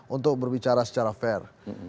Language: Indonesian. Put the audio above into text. untuk berbicara secara fair